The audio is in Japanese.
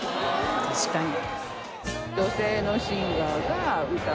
確かに。